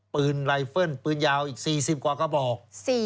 ไลเฟิลปืนยาวอีก๔๐กว่ากระบอก